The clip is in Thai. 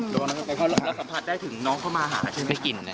แล้วสัมภาษณ์ได้ถึงน้องเข้ามาหาใช่ไหม